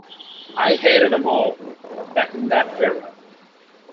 I hated 'em all, back in that era.